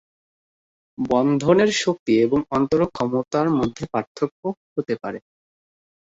বন্ধনের শক্তি এবং অন্তরক ক্ষমতা মধ্যে পৃথক হতে পারে।